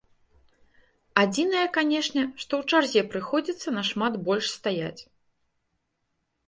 Адзінае, канешне, што ў чарзе прыходзіцца нашмат больш стаяць.